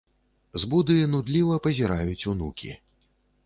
З буды нудліва пазіраюць унукі.